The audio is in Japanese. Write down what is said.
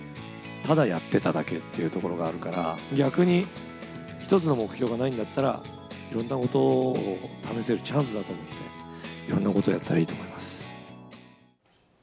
ただやってただけというところがあるから、逆に１つの目標がないんだったら、いろんなことを試せるチャンスだと思って、いろんなことをやったらいいと思います。